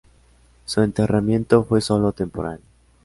Su enterramiento fue sólo temporal.